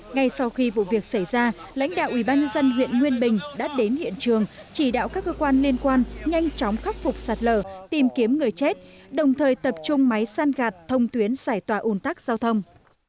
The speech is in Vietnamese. ngay sau khi vụ việc xảy ra lãnh đạo ủy ban dân huyện nguyên bình đã đến hiện trường chỉ đạo các cơ quan liên quan nhanh chóng khắc phục sạt lở tìm kiếm người chết đồng thời tập trung máy săn gạt thông tuyến xảy tỏa ồn tắc giao thông